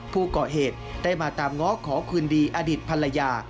ผู้ก่อเหตุได้มาตามง้อขอคืนดีอดีตภรรยา